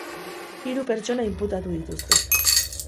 Hiru pertsona inputatu dituzte.